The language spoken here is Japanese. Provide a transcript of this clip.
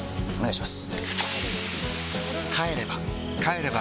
お願いします！